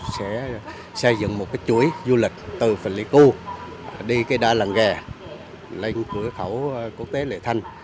sẽ xây dựng một chuối du lịch từ phạm lý cưu đi đa làng ghè lên cửa khẩu quốc tế lệ thanh